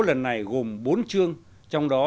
lần này gồm bốn chương trong đó